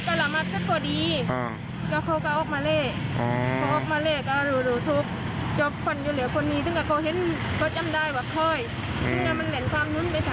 เขาได้ยินเสียงหล่อดกล่อม